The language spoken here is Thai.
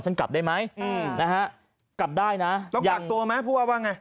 กลับได้ไหมอืมนะฮะกลับได้นะต้องกักตัวไหมผู้ว่าว่าไง